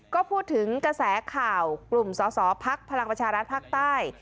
ก็พูดถึงกระแสข่าวกลุ่มสอสอภักดิ์พลังประชารัฐภาคใต้